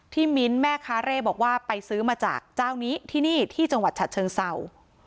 มิ้นท์แม่ค้าเร่บอกว่าไปซื้อมาจากเจ้านี้ที่นี่ที่จังหวัดฉะเชิงเศร้า